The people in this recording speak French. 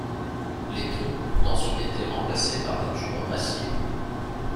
Les troncs ont ensuite été remplacés par des tubes en acier.